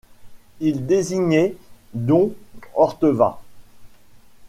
Il désignait don Orteva